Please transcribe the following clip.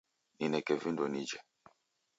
Nineke vindo nijhe